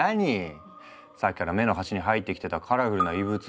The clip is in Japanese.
さっきから目の端に入ってきてたカラフルな異物。